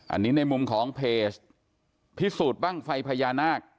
อันนี้ในมุมของเพจพิสูจน์บ้างไฟพญานาค